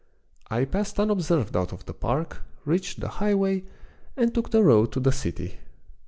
I passed unobserved out of the park, reached the highway, and took the road to the city.